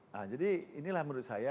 nah jadi inilah menurut saya